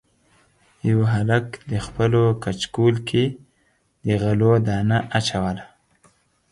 یوه هلک د خپلو کچکول کې د غلو دانه اچوله.